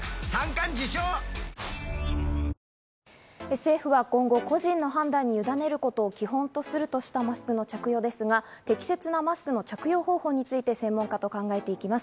政府は今後、個人の判断にゆだねることを基本とするとしたマスクの着用ですが、適切なマスクの着用方法について専門家と考えていきます。